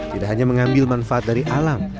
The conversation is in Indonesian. tidak hanya mengambil manfaat dari alam